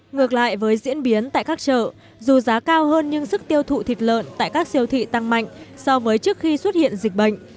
ngược lại với diễn biến tại các chợ dù giá cao hơn nhưng sức tiêu thụ thịt lợn tại các siêu thị tăng mạnh so với trước khi xuất hiện dịch bệnh